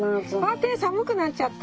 あ手寒くなっちゃった！